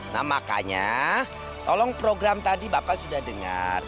nah makanya tolong program tadi bapak sudah dengar